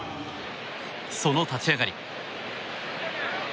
その立ち上がり。